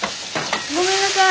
ごめんなさい！